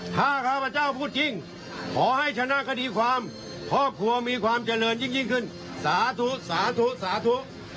ถ้าข้าพเจ้าพูดจริงขอให้ชนะคดีความครอบครัวมีความเจริญยิ่งขึ้นสาธุสาธุสาธุ